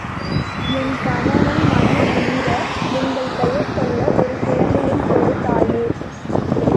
என் கணவன் மனங்குளிர, எங்கள் பெயர் சொல்ல, ஒரு குழந்தையைக் கொடு தாயே!